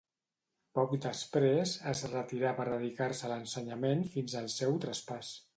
Poc després, es retirà per dedicar-se a l'ensenyament fins al seu traspàs.